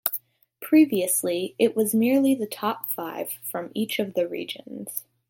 Previously, it was merely the top five from each of the regions.